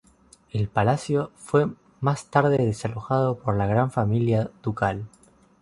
El palacio fue más tarde desalojado por la Gran familia Ducal.